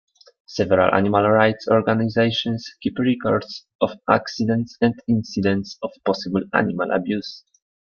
Several animal rights organizations keep records of accidents and incidents of possible animal abuse.